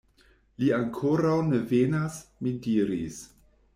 Li ankoraŭ ne venas, mi diris.